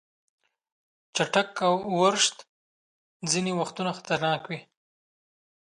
چټک اورښت ځینې وختونه خطرناک وي.